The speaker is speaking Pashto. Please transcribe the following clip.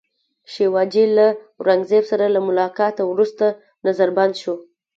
شیوا جي له اورنګزېب سره له ملاقاته وروسته نظربند شو.